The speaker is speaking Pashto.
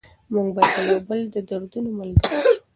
موږ باید د یو بل د دردونو ملګري شو.